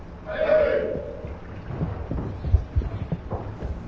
はい！